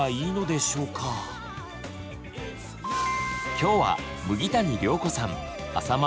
今日は麦谷綾子さん淺間